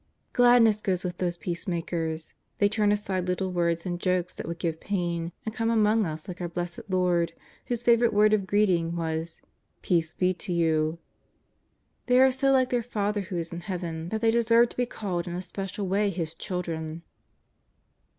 "* Gladness goes with these peacemakers; they turn aside little words and jokes that would give pain, and come among us like our Blessed Lord whose favourite word of greeting was: " Peace be to you." They are so like their Father who is in Heaven that they deserve to be called in a special way His children.